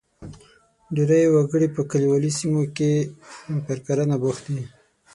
ډېری وګړي په کلیوالي سیمو کې پر کرنه بوخت دي.